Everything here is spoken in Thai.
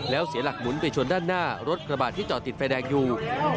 แล้วเสียหลักหมุนไปชนด้านหน้ารถกระบาดที่จอดติดไฟแดงอยู่